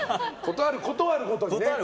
事あるごとにね。